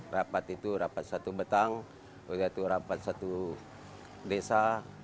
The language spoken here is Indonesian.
rapat itu rapat satu betang begitu rapat satu desa